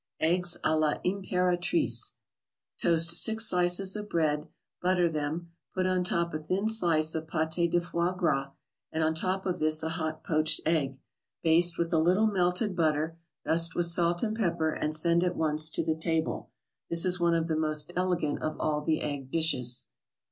EGGS A L'IMPERATRICE Toast six slices of bread; butter them, put on top a thin slice of pate de foie gras, and on top of this a hot poached egg. Baste with a little melted butter, dust with salt and pepper and send at once to the table. This is one of the most elegant of all the egg dishes.